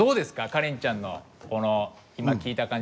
カレンちゃんの今聞いた感じ